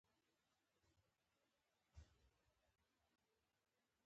کچالو د خوړو برخه ده